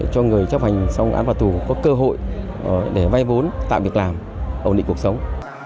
cho người chấp hành xong án phạt tù có cơ hội để vay vốn tạo việc làm ổn định cuộc sống